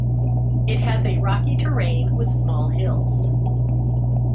It has a rocky terrain with small hills.